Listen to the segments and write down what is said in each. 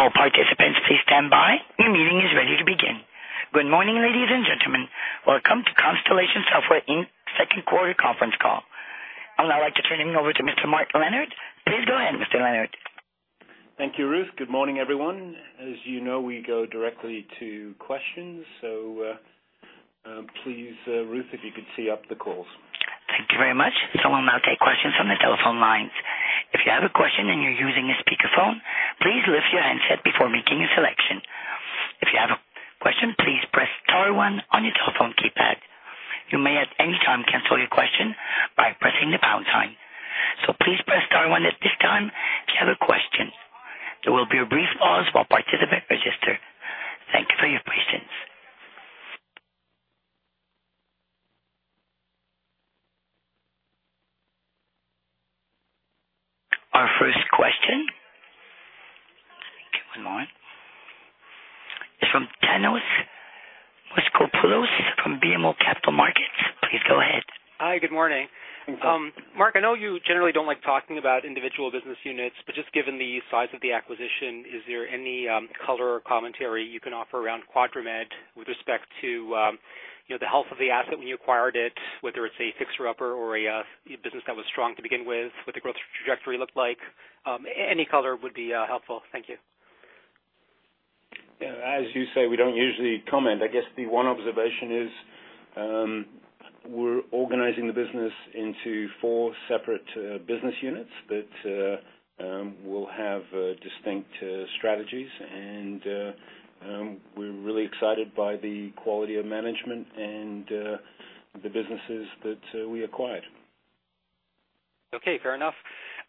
All participants, please stand by. Your meeting is ready to begin. Good morning, ladies and gentlemen. Welcome to Constellation Software Inc.'s second quarter conference call. I would now like to turn it over to Mr. Mark Leonard. Please go ahead, Mr. Leonard. Thank you, Ruth. Good morning, everyone. As you know, we go directly to questions. Please, Ruth, if you could tee up the calls. Thank you very much. We'll now take questions from the telephone lines. If you have a question and you're using a speakerphone, please lift your handset before making a selection. If you have a question, please press star one on your telephone keypad. You may at any time cancel your question by pressing the pound sign. Please press star one at this time if you have a question. There will be a brief pause while participants register. Thank you for your patience. Our first question, give it one moment, is from Thanos Moschopoulos from BMO Capital Markets. Please go ahead. Hi, good morning. Thanks. Mark, I know you generally don't like talking about individual business units, but just given the size of the acquisition, is there any color or commentary you can offer around QuadraMed with respect to the health of the asset when you acquired it, whether it's a fixer-upper or a business that was strong to begin with, what the growth trajectory looked like? Any color would be helpful. Thank you. Yeah, as you say, we don't usually comment. I guess the one observation is we're organizing the business into four separate business units that will have distinct strategies, and we're really excited by the quality of management and the businesses that we acquired. Okay, fair enough.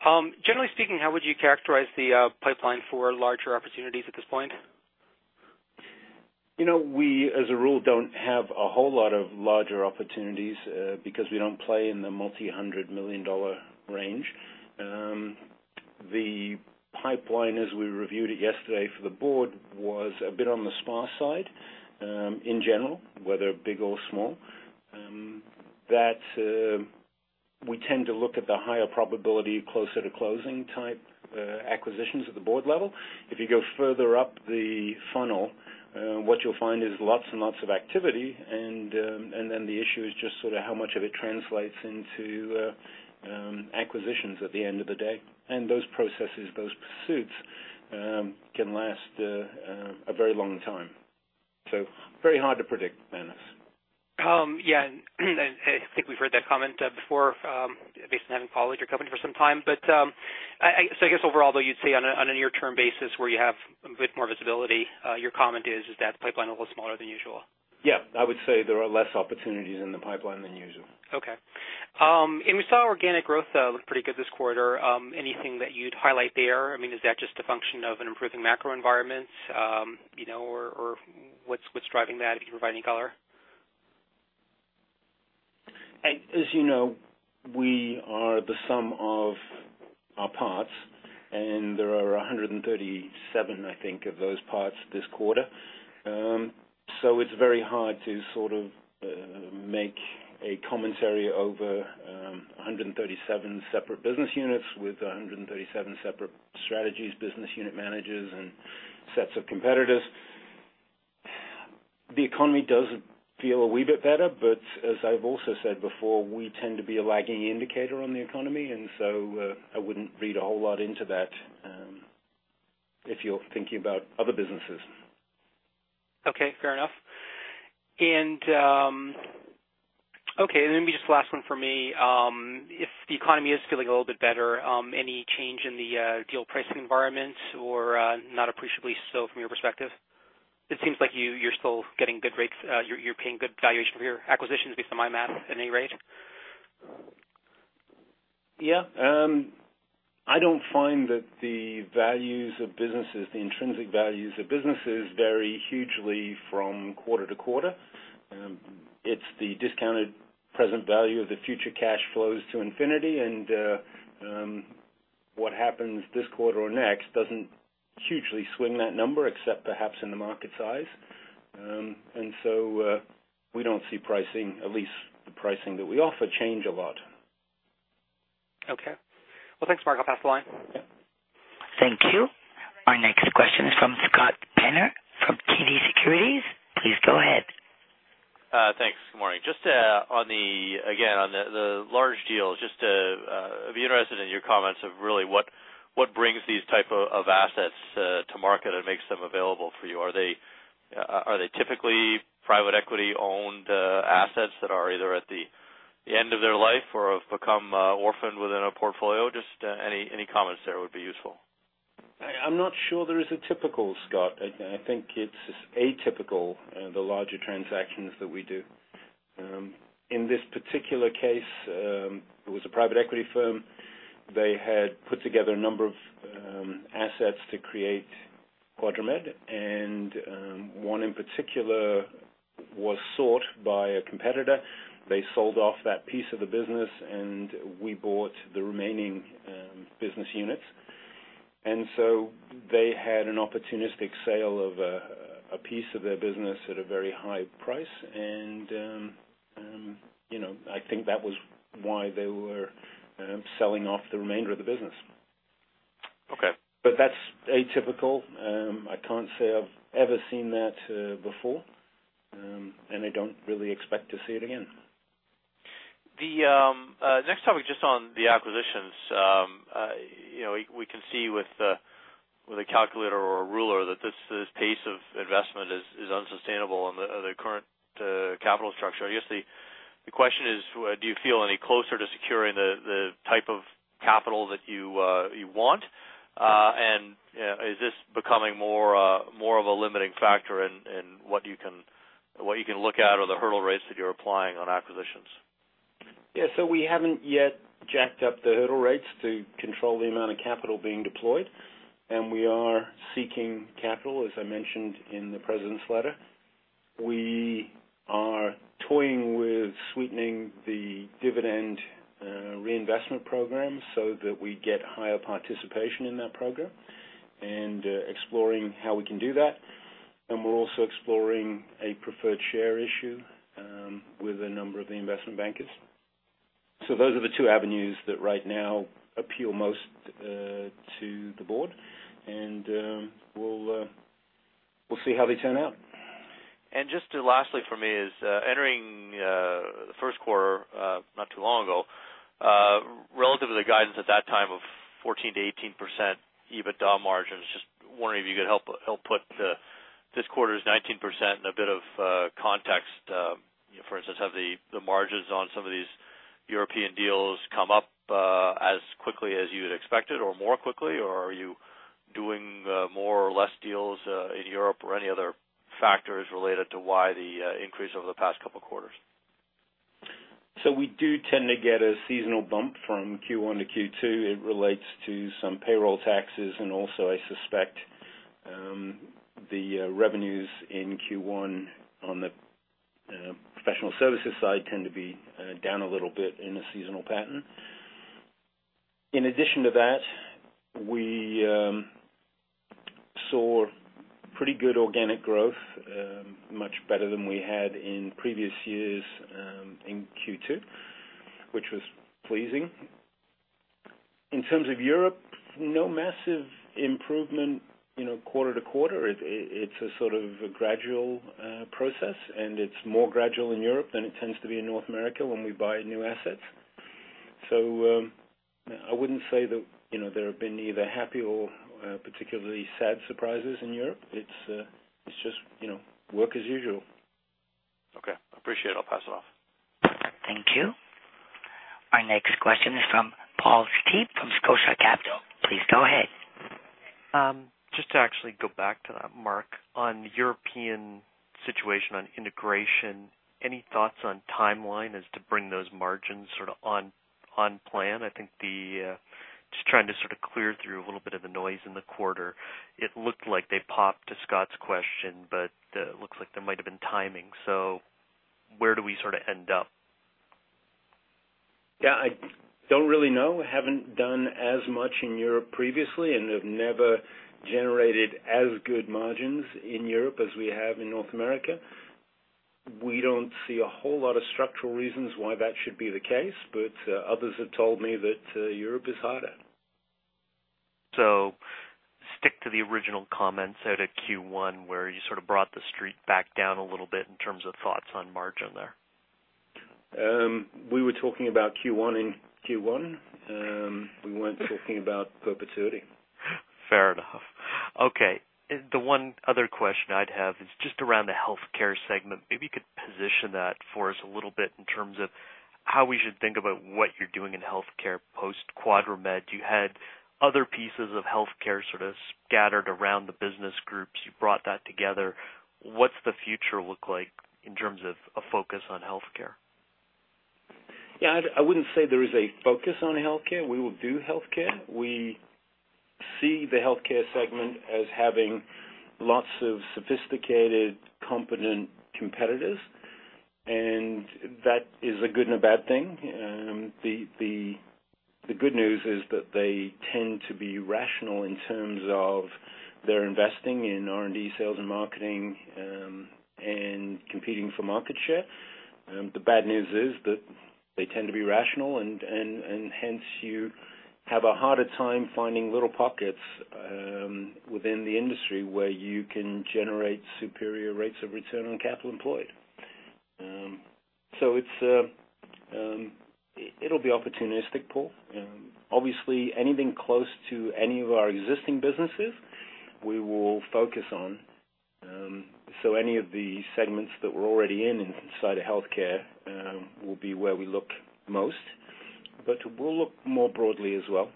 Generally speaking, how would you characterize the pipeline for larger opportunities at this point? We, as a rule, don't have a whole lot of larger opportunities because we don't play in the multi-hundred million dollar range. The pipeline, as we reviewed it yesterday for the board, was a bit on the sparse side in general, whether big or small. We tend to look at the higher probability, closer to closing type acquisitions at the board level. If you go further up the funnel, what you'll find is lots and lots of activity and then the issue is just sort of how much of it translates into acquisitions at the end of the day. Those processes, those pursuits, can last a very long time. Very hard to predict, Thanos. I think we've heard that comment before, based on having followed your company for some time. I guess overall though, you'd say on a near-term basis where you have a bit more visibility, your comment is that pipeline a little smaller than usual? I would say there are less opportunities in the pipeline than usual. We saw organic growth looked pretty good this quarter. Anything that you'd highlight there? Is that just a function of an improving macro environment? What's driving that, if you can provide any color? As you know, we are the sum of our parts, and there are 137, I think, of those parts this quarter. It's very hard to sort of make a commentary over 137 separate business units with 137 separate strategies, business unit managers, and sets of competitors. The economy does feel a wee bit better, but as I've also said before, we tend to be a lagging indicator on the economy, and so I wouldn't read a whole lot into that if you're thinking about other businesses. Okay, fair enough. Okay, just the last one from me. If the economy is feeling a little bit better, any change in the deal pricing environment or not appreciably so from your perspective? It seems like you are still getting good rates. You are paying good valuation for your acquisitions based on my math at any rate. Yeah. I don't find that the values of businesses, the intrinsic values of businesses vary hugely from quarter to quarter. It's the discounted present value of the future cash flows to infinity. What happens this quarter or next doesn't hugely swing that number except perhaps in the market size. We don't see pricing, at least the pricing that we offer, change a lot. Okay. Well, thanks, Mark. I'll pass the line. Yeah. Thank you. Our next question is from Scott Penner from TD Securities. Please go ahead. Thanks. Good morning. Just again, on the large deals, just I'd be interested in your comments of really what brings these type of assets to market and makes them available for you. Are they typically private equity-owned assets that are either at the end of their life or have become orphaned within a portfolio? Just any comments there would be useful. I'm not sure there is a typical, Scott. I think it's atypical, the larger transactions that we do. In this particular case, it was a private equity firm. They had put together a number of assets to create QuadraMed, and one in particular was sought by a competitor. They sold off that piece of the business, and we bought the remaining business units. They had an opportunistic sale of a piece of their business at a very high price. I think that was why they were selling off the remainder of the business. Okay. That's atypical. I can't say I've ever seen that before, and I don't really expect to see it again. Next topic, just on the acquisitions. We can see with a calculator or a ruler that this pace of investment is unsustainable on the current capital structure. I guess the question is, do you feel any closer to securing the type of capital that you want? Is this becoming more of a limiting factor in what you can look at or the hurdle rates that you're applying on acquisitions? We haven't yet jacked up the hurdle rates to control the amount of capital being deployed. We are seeking capital, as I mentioned in the president's letter. We are toying with sweetening the dividend reinvestment program so that we get higher participation in that program, and exploring how we can do that. We're also exploring a preferred share issue with a number of the investment bankers. Those are the two avenues that right now appeal most to the board. We'll see how they turn out. Just lastly from me is, entering the first quarter not too long ago, relative to the guidance at that time of 14%-18% EBITDA margins, just wondering if you could help put this quarter's 19% in a bit of context. For instance, have the margins on some of these European deals come up as quickly as you had expected or more quickly, or are you doing more or less deals in Europe, or any other factors related to why the increase over the past couple of quarters? We do tend to get a seasonal bump from Q1 to Q2. It relates to some payroll taxes, and also I suspect the revenues in Q1 on the professional services side tend to be down a little bit in a seasonal pattern. In addition to that, we saw pretty good organic growth, much better than we had in previous years in Q2, which was pleasing. In terms of Europe, no massive improvement quarter to quarter. It's a sort of a gradual process, and it's more gradual in Europe than it tends to be in North America when we buy new assets. I wouldn't say that there have been either happy or particularly sad surprises in Europe. It's just work as usual. Okay. Appreciate it. I'll pass it off. Thank you. Our next question is from Paul Sety from Scotiabank Capital. Please go ahead. Just to actually go back to that, Mark, on the European situation on integration, any thoughts on timeline as to bring those margins sort of on plan? Just trying to sort of clear through a little bit of the noise in the quarter. It looked like they popped to Scott's question, but looks like there might've been timing. Where do we sort of end up? Yeah, I don't really know. Haven't done as much in Europe previously and have never generated as good margins in Europe as we have in North America. We don't see a whole lot of structural reasons why that should be the case, but others have told me that Europe is harder. Stick to the original comments out of Q1, where you sort of brought the Street back down a little bit in terms of thoughts on margin there. We were talking about Q1 in Q1. We weren't talking about perpetuity. Fair enough. Okay. The one other question I'd have is just around the healthcare segment. Maybe you could position that for us a little bit in terms of how we should think about what you're doing in healthcare post-QuadraMed. You had other pieces of healthcare sort of scattered around the business groups. You brought that together. What's the future look like in terms of a focus on healthcare? Yeah, I wouldn't say there is a focus on healthcare. We will do healthcare. We see the healthcare segment as having lots of sophisticated, competent competitors, and that is a good and a bad thing. The good news is that they tend to be rational in terms of their investing in R&D, sales, and marketing, and competing for market share. The bad news is that they tend to be rational and hence you have a harder time finding little pockets within the industry where you can generate superior rates of return on capital employed. It'll be opportunistic, Paul. Obviously, anything close to any of our existing businesses, we will focus on. Any of the segments that we're already in inside of healthcare will be where we look most. We'll look more broadly as well.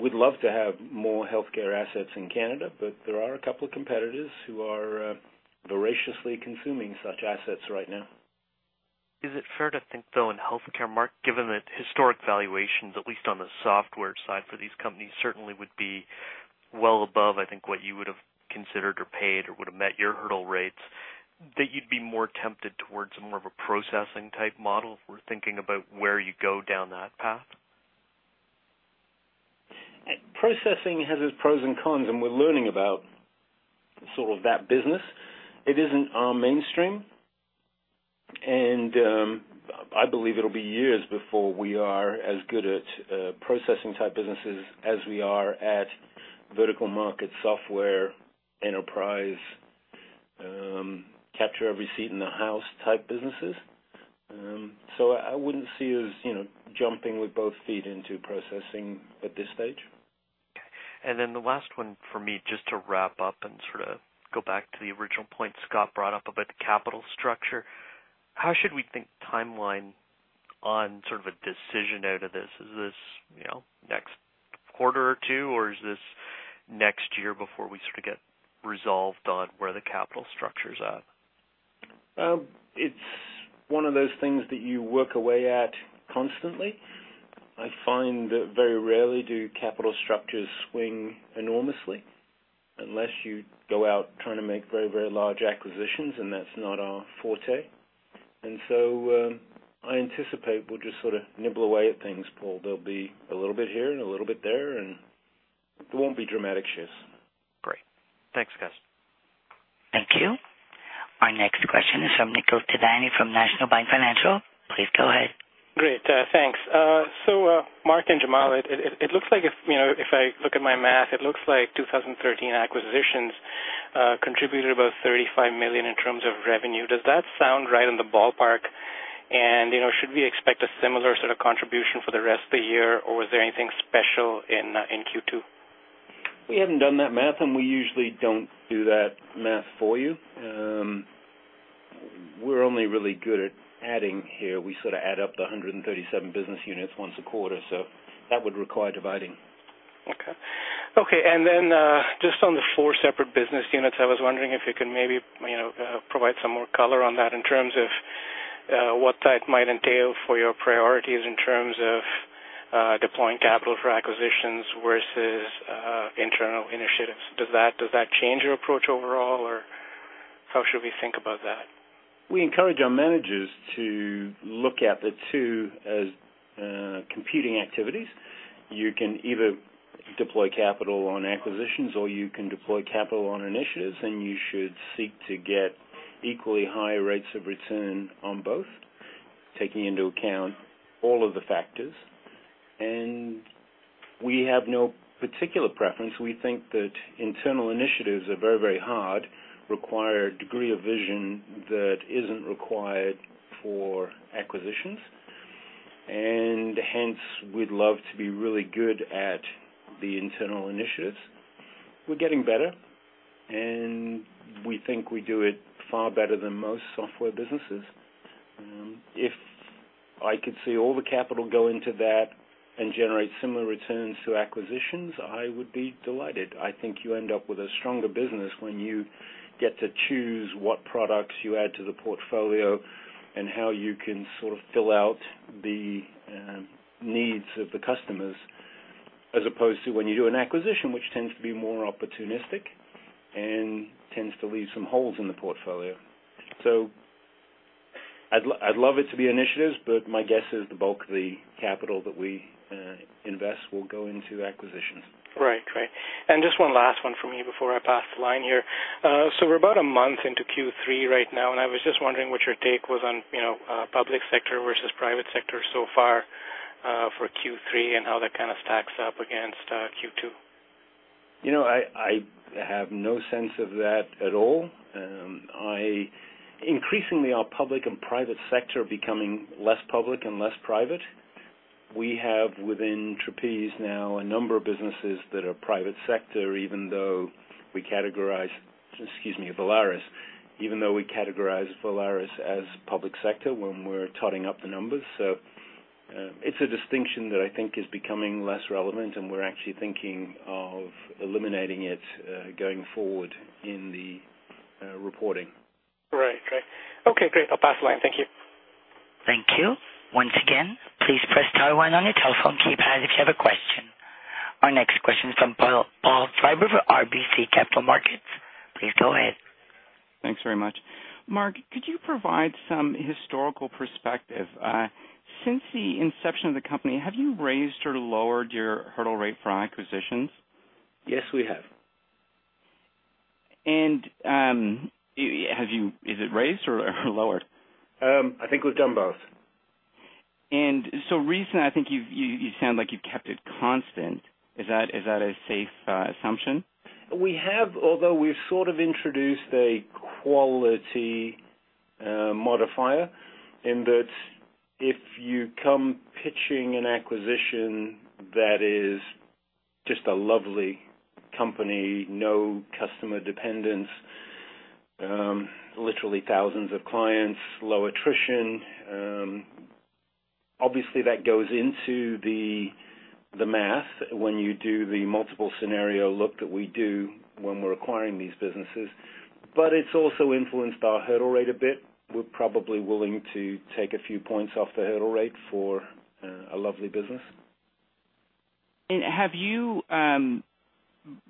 We'd love to have more healthcare assets in Canada, but there are a couple of competitors who are voraciously consuming such assets right now. Is it fair to think, though, in healthcare, Mark, given that historic valuations, at least on the software side for these companies, certainly would be well above, I think, what you would have considered or paid or would have met your hurdle rates? That you'd be more tempted towards more of a processing type model if we're thinking about where you go down that path? Processing has its pros and cons, we're learning about sort of that business. It isn't our mainstream. I believe it'll be years before we are as good at processing type businesses as we are at vertical market software enterprise, capture every seat in the house type businesses. I wouldn't see us jumping with both feet into processing at this stage. Okay. The last one for me, just to wrap up and sort of go back to the original point Scott brought up about the capital structure. How should we think timeline on sort of a decision out of this? Is this next quarter or two, or is this next year before we sort of get resolved on where the capital structure's at? It's one of those things that you work away at constantly. I find that very rarely do capital structures swing enormously unless you go out trying to make very large acquisitions, and that's not our forte. I anticipate we'll just sort of nibble away at things, Paul. There'll be a little bit here and a little bit there, and there won't be dramatic shifts. Great. Thanks, guys. Thank you. Our next question is from Nikhil Thadani from National Bank Financial. Please go ahead. Mark and Jamal, it looks like, if I look at my math, it looks like 2013 acquisitions contributed about 35 million in terms of revenue. Does that sound right in the ballpark, and should we expect a similar sort of contribution for the rest of the year, or was there anything special in Q2? We haven't done that math, and we usually don't do that math for you. We're only really good at adding here. We sort of add up the 137 business units once a quarter, so that would require dividing. Okay. Then just on the four separate business units, I was wondering if you could maybe provide some more color on that in terms of what that might entail for your priorities in terms of deploying capital for acquisitions versus internal initiatives. Does that change your approach overall, or how should we think about that? We encourage our managers to look at the two as competing activities. You can either deploy capital on acquisitions, or you can deploy capital on initiatives, and you should seek to get equally high rates of return on both, taking into account all of the factors. We have no particular preference. We think that internal initiatives are very, very hard, require a degree of vision that isn't required for acquisitions. Hence, we'd love to be really good at the internal initiatives. We're getting better, and we think we do it far better than most software businesses. If I could see all the capital go into that and generate similar returns to acquisitions, I would be delighted. I think you end up with a stronger business when you get to choose what products you add to the portfolio and how you can sort of fill out the needs of the customers as opposed to when you do an acquisition, which tends to be more opportunistic and tends to leave some holes in the portfolio. I'd love it to be initiatives, but my guess is the bulk of the capital that we invest will go into acquisitions. Right. Just one last one for me before I pass the line here. We're about a month into Q3 right now, and I was just wondering what your take was on public sector versus private sector so far for Q3 and how that kind of stacks up against Q2. I have no sense of that at all. Increasingly, our public and private sector are becoming less public and less private. We have within Trapeze now a number of businesses that are private sector, even though we categorize, excuse me, Volaris, even though we categorize Volaris as public sector when we're totting up the numbers. It's a distinction that I think is becoming less relevant, and we're actually thinking of eliminating it going forward in the reporting. Right. Okay, great. I'll pass the line. Thank you. Thank you. Once again, please press star one on your telephone keypad if you have a question. Our next question is from Paul Treiber of RBC Capital Markets. Please go ahead. Thanks very much. Mark, could you provide some historical perspective? Since the inception of the company, have you raised or lowered your hurdle rate for acquisitions? Yes, we have. Is it raised or lowered? I think we've done both. Recently, I think you sound like you've kept it constant. Is that a safe assumption? We have, although we've sort of introduced a quality modifier in that if you come pitching an acquisition that is just a lovely company, no customer dependence, literally thousands of clients, low attrition, obviously that goes into the math when you do the multiple scenario look that we do when we're acquiring these businesses. It's also influenced our hurdle rate a bit. We're probably willing to take a few points off the hurdle rate for a lovely business. Have you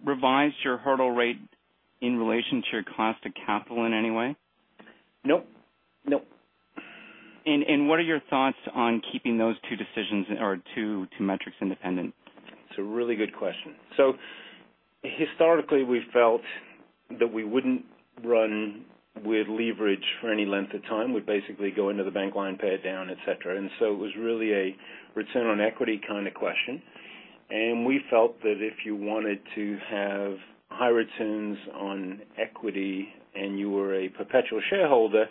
revised your hurdle rate in relation to your cost of capital in any way? Nope. What are your thoughts on keeping those two decisions or two metrics independent? It's a really good question. Historically, we felt that we wouldn't run with leverage for any length of time. We'd basically go into the bank line, pay it down, et cetera. It was really a return on equity kind of question. We felt that if you wanted to have high returns on equity and you were a perpetual shareholder,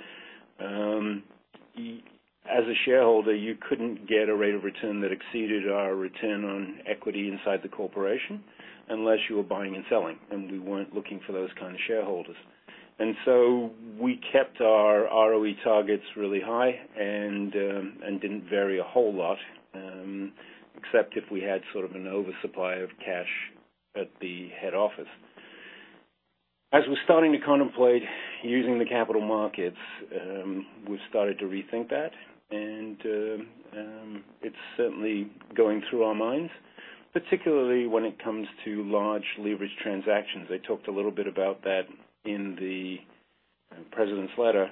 as a shareholder, you couldn't get a rate of return that exceeded our return on equity inside the corporation unless you were buying and selling, and we weren't looking for those kind of shareholders. We kept our ROE targets really high and didn't vary a whole lot, except if we had sort of an oversupply of cash at the head office. As we're starting to contemplate using the capital markets, we've started to rethink that. It's certainly going through our minds, particularly when it comes to large leverage transactions. I talked a little bit about that in the president's letter.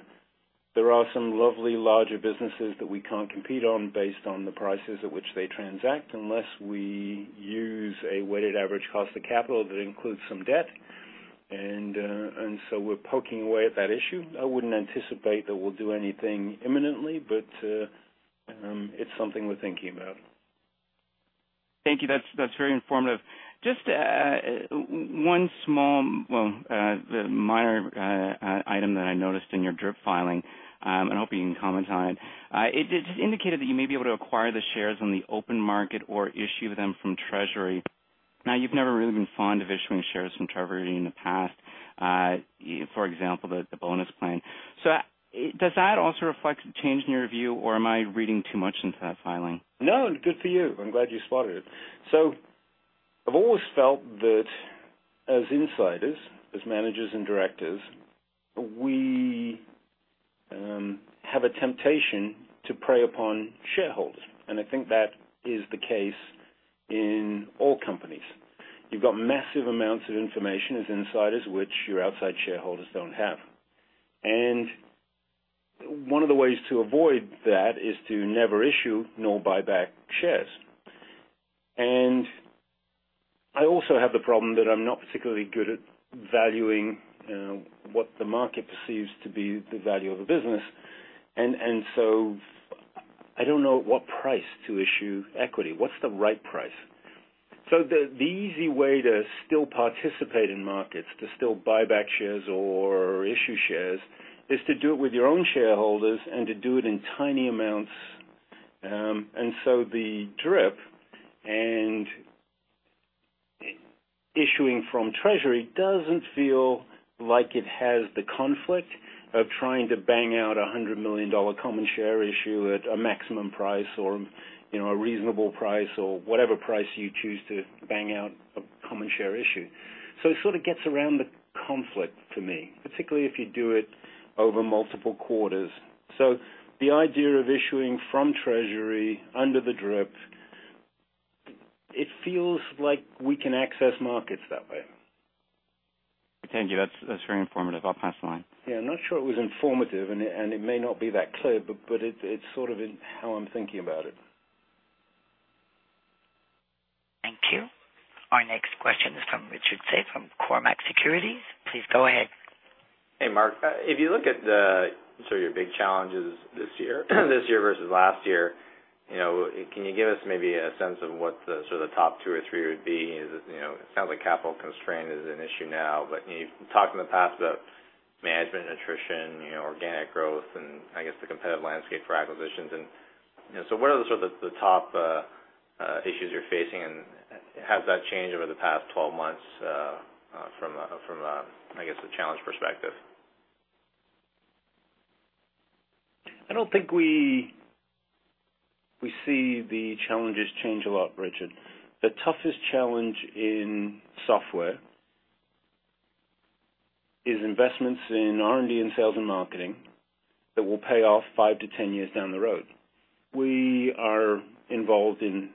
There are some lovely larger businesses that we can't compete on based on the prices at which they transact unless we use a weighted average cost of capital that includes some debt. We're poking away at that issue. I wouldn't anticipate that we'll do anything imminently, but it's something we're thinking about. Thank you. That's very informative. Just one small, well, the minor item that I noticed in your DRIP filing, I hope you can comment on it. It just indicated that you may be able to acquire the shares on the open market or issue them from treasury. Now, you've never really been fond of issuing shares from treasury in the past. For example, the bonus plan. Does that also reflect a change in your view, or am I reading too much into that filing? No, good for you. I'm glad you spotted it. I've always felt that as insiders, as managers and directors, we have a temptation to prey upon shareholders, and I think that is the case in all companies. You've got massive amounts of information as insiders which your outside shareholders don't have. One of the ways to avoid that is to never issue nor buy back shares. I also have the problem that I'm not particularly good at valuing what the market perceives to be the value of a business. I don't know at what price to issue equity. What's the right price? The easy way to still participate in markets, to still buy back shares or issue shares, is to do it with your own shareholders and to do it in tiny amounts. The DRIP and issuing from treasury doesn't feel like it has the conflict of trying to bang out a 100 million dollar common share issue at a maximum price or a reasonable price or whatever price you choose to bang out a common share issue. It sort of gets around the conflict for me, particularly if you do it over multiple quarters. The idea of issuing from treasury under the DRIP, it feels like we can access markets that way. Thank you. That's very informative. I'll pass the line. Yeah, I'm not sure it was informative, and it may not be that clear, but it's sort of how I'm thinking about it. Thank you. Our next question is from Richard Tse from Cormark Securities. Please go ahead. Hey, Mark. If you look at sort of your big challenges this year versus last year, can you give us maybe a sense of what the sort of top two or three would be? It sounds like capital constraint is an issue now, you've talked in the past about management attrition, organic growth, and I guess the competitive landscape for acquisitions. What are the sort of the top issues you're facing, and has that changed over the past 12 months from, I guess, the challenge perspective? I don't think we see the challenges change a lot, Richard. The toughest challenge in software is investments in R&D and sales and marketing that will pay off five to 10 years down the road. We are involved in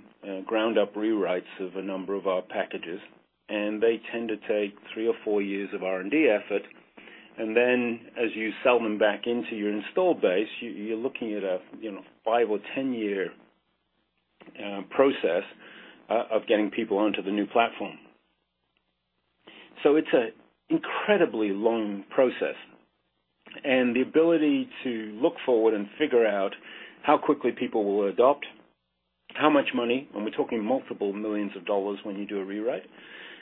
ground-up rewrites of a number of our packages, they tend to take three or four years of R&D effort. Then as you sell them back into your install base, you're looking at a five or 10-year process of getting people onto the new platform. It's an incredibly long process. The ability to look forward and figure out how quickly people will adopt, how much money, and we're talking multiple millions of CAD when you do a rewrite.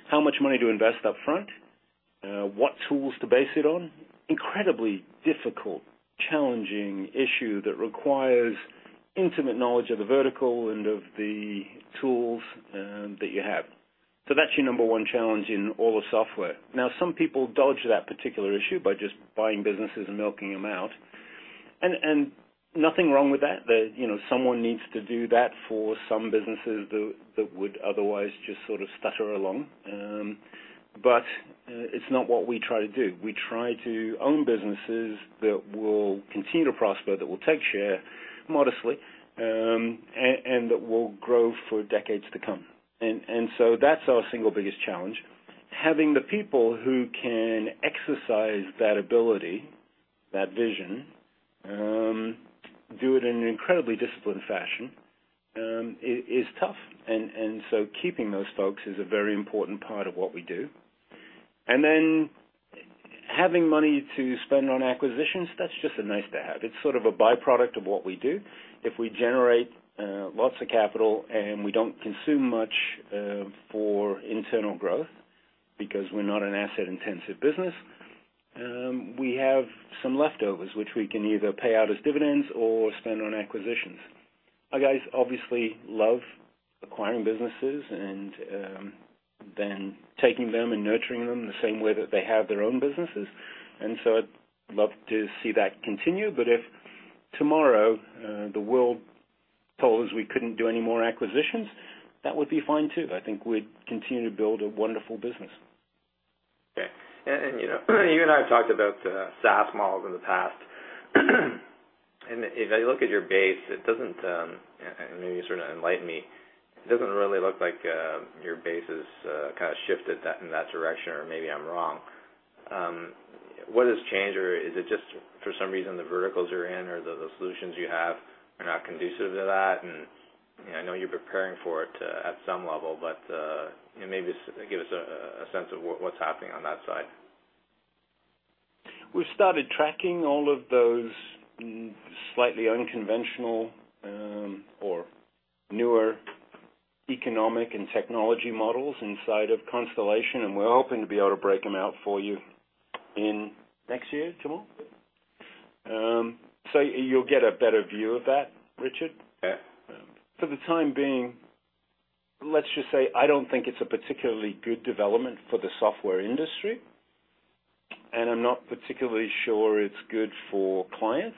How much money to invest up front, what tools to base it on. Incredibly difficult, challenging issue that requires intimate knowledge of the vertical and of the tools that you have. That's your number 1 challenge in all the software. Now, some people dodge that particular issue by just buying businesses and milking them out. Nothing wrong with that. Someone needs to do that for some businesses that would otherwise just sort of stutter along. Yeah. It's not what we try to do. We try to own businesses that will continue to prosper, that will take share modestly, and that will grow for decades to come. That's our single biggest challenge. Having the people who can exercise that ability, that vision, do it in an incredibly disciplined fashion, is tough. So keeping those folks is a very important part of what we do. Then having money to spend on acquisitions, that's just nice to have. It's sort of a byproduct of what we do. If we generate lots of capital and we don't consume much for internal growth because we're not an asset-intensive business, we have some leftovers which we can either pay out as dividends or spend on acquisitions. Our guys obviously love acquiring businesses and then taking them and nurturing them the same way that they have their own businesses. I'd love to see that continue, but if tomorrow the world told us we couldn't do any more acquisitions, that would be fine, too. I think we'd continue to build a wonderful business. Okay. You and I have talked about SaaS models in the past. If I look at your base, it doesn't, and maybe you sort of enlighten me, it doesn't really look like your base has kind of shifted in that direction, or maybe I'm wrong. What has changed, or is it just for some reason the verticals you're in or the solutions you have are not conducive to that? I know you're preparing for it at some level, but maybe just give us a sense of what's happening on that side. We've started tracking all of those slightly unconventional or newer economic and technology models inside of Constellation. We're hoping to be able to break them out for you in next year, Jamal? Yeah. You'll get a better view of that, Richard. Okay. For the time being, let's just say I don't think it's a particularly good development for the software industry. I'm not particularly sure it's good for clients,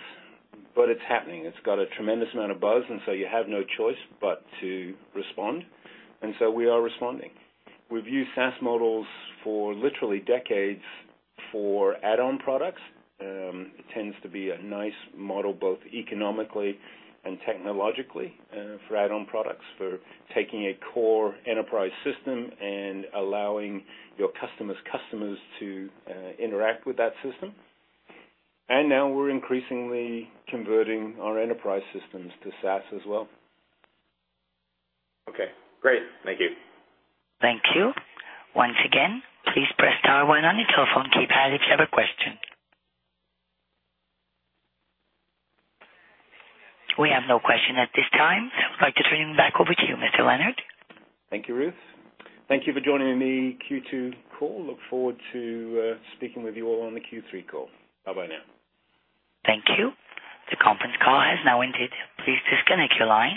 but it's happening. It's got a tremendous amount of buzz. You have no choice but to respond. We are responding. We've used SaaS models for literally decades for add-on products. It tends to be a nice model both economically and technologically for add-on products, for taking a core enterprise system and allowing your customer's customers to interact with that system. Now we're increasingly converting our enterprise systems to SaaS as well. Okay, great. Thank you. Thank you. Once again, please press star one on your telephone keypad if you have a question. We have no questions at this time. I would like to turn it back over to you, Mr. Leonard. Thank you, Ruth. Thank you for joining the Q2 call. Look forward to speaking with you all on the Q3 call. Bye-bye now. Thank you. The conference call has now ended. Please disconnect your line.